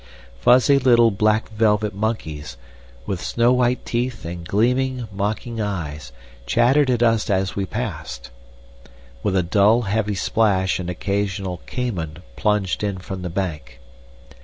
Fuzzy little black velvet monkeys, with snow white teeth and gleaming, mocking eyes, chattered at us as we passed. With a dull, heavy splash an occasional cayman plunged in from the bank.